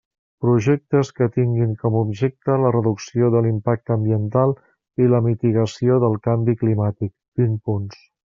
Projectes que tinguin com objecte la reducció de l'impacte ambiental i la mitigació del canvi climàtic, vint punts.